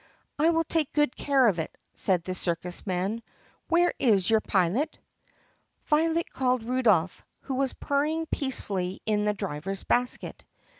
"I will take good care of it," said the circus man. "Where is your pilot*?" Violet called Rudolph, who was purring peacefully in the driver's basket.